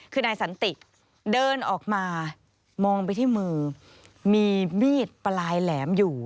คือนายสันติเดินออกมามองไปที่มือมีมีดปลายแหลมอยู่